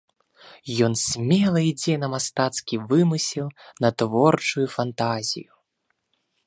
Ён смела ідзе на мастацкі вымысел, на творчую фантазію.